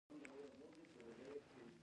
لوبغاړي باید له قاعدو سرغړونه و نه کړي.